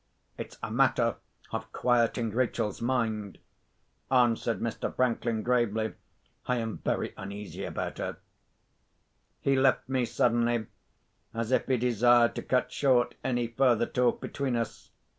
"It's a matter of quieting Rachel's mind," answered Mr. Franklin gravely. "I am very uneasy about her." He left me suddenly; as if he desired to cut short any further talk between us.